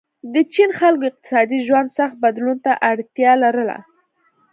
د چین خلکو اقتصادي ژوند سخت بدلون ته اړتیا لرله.